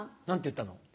何て言ったの？